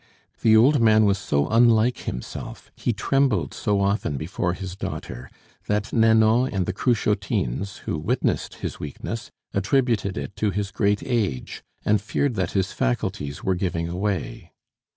The old man was so unlike himself, he trembled so often before his daughter, that Nanon and the Cruchotines, who witnessed his weakness, attributed it to his great age, and feared that his faculties were giving away.